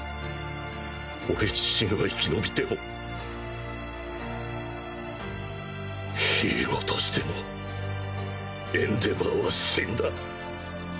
俺自身は生き延びてもヒーローとしてのエンデヴァーは死んだ。